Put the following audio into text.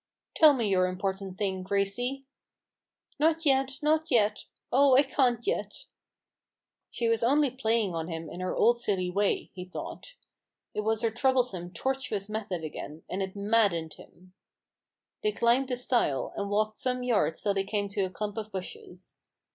"Tell me your important thing, Grade." " Not yet ! not yet !— oh, I can't yet t " HUGO RAVEN'S HAND. 165 She was only playing on him in her old silly way, he thought. It was her troublesome, tortuous method again, and it maddened him. They climbed the stile, and walked some yards till they came to a clump of bushes.